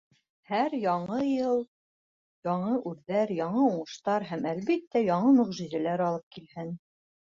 Һәр Яңы йыл яңы үрҙәр, яңы уңыштар һәм, әлбиттә, яңы мөғжизәләр алып килһен.